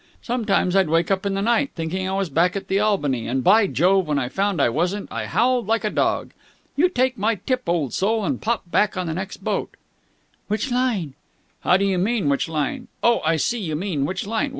Sometimes I'd wake up in the night, thinking I was back at the Albany, and, by Jove, when I found I wasn't I howled like a dog! You take my tip, old soul, and pop back on the next boat." "Which line?" "How do you mean, which line? Oh, I see, you mean which line?